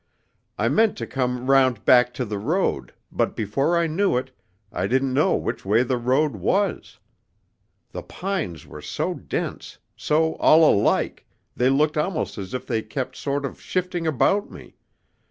I meant to come round back to the road, but before I knew it, I didn't know which way the road was. The pines were so dense, so all alike, they looked almost as if they kept sort of shifting about me.